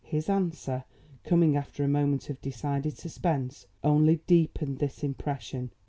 His answer, coming after a moment of decided suspense, only deepened this impression.